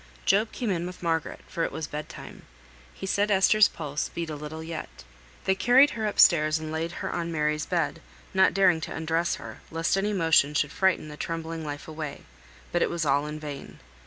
Job came in with Margaret, for it was bed time. He said Esther's pulse beat a little yet. They carried her upstairs and laid her on Mary's bed, not daring to undress her, lest any motion should frighten the trembling life away; but it was all in vain.